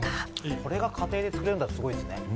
これが家庭でつくれるってすごいですね。